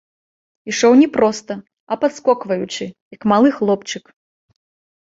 Ішоў не проста, а падскокваючы, як малы хлопчык.